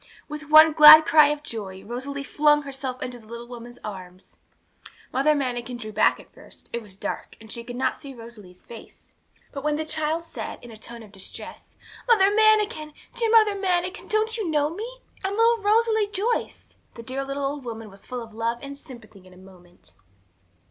With one glad cry of joy, Rosalie flung herself into the little woman's arms. Mother Manikin drew back at first; it was dark, and she could not see Rosalie's face. But when the child said, in a tone of distress, 'Mother Manikin, dear Mother Manikin, don't you know me? I'm little Rosalie Joyce,' the dear little old woman was full of love and sympathy in a moment.